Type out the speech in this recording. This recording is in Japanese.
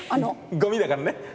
ゴミだから。